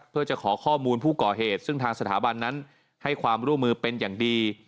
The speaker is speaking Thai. เพื่อจะขอข้อมูลผู้ก่อเหตุซึ่งทางสถาบันนั้นให้ความร่วมมือเป็นอย่างดี